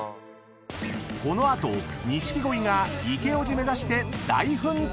［この後錦鯉がイケおじ目指して大奮闘！］